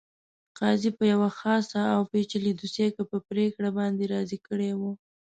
قاضي په یوه خاصه او پېچلې دوسیه کې په پرېکړه باندې راضي کړی وو.